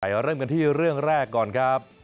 เริ่มกันที่เรื่องแรกก่อนครับ